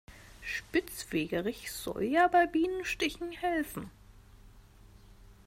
Spitzwegerich soll ja bei Bienenstichen helfen.